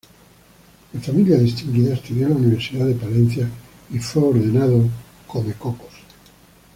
De familia distinguida, estudió en la Universidad de Palencia y fue ordenado sacerdote.